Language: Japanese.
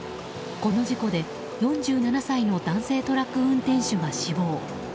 この事故で４７歳の男性トラック運転手が死亡。